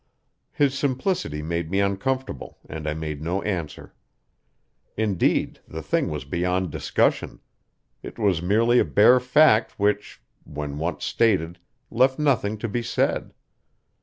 His simplicity made me uncomfortable, and I made no answer. Indeed, the thing was beyond discussion; it was merely a bare fact which, when once stated, left nothing to be said.